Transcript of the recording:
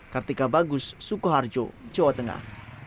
kartika bagus sukoharjo jawa tengah